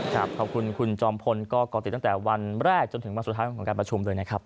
ขอบคุณคุณจอมพลก็ก่อติดตั้งแต่วันแรกจนถึงวันสุดท้ายของการประชุมเลยนะครับ